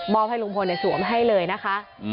ให้ลุงพลสวมให้เลยนะคะ